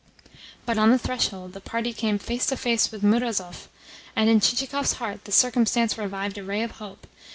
But on the threshold the party came face to face with Murazov, and in Chichikov's heart the circumstance revived a ray of hope.